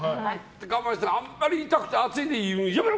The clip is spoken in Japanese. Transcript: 我慢してあんまり痛くて熱いのでやめろ